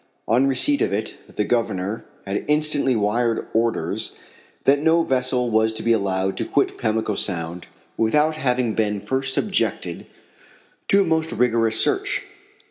On receipt of it the Governor had instantly wired orders that no vessel was to be allowed to quit Pamlico Sound without having been first subjected to a most rigorous search.